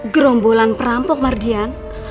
gerombolan perampok mardian